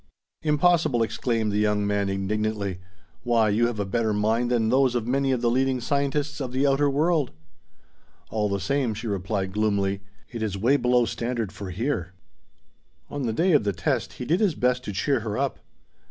"Impossible!" exclaimed the young man indignantly. "Why, you have a better mind than those of many of the leading scientists of the outer world!" "All the same," she gloomily replied, "it is way below standard for down here." On the day of the test, he did his best to cheer her up.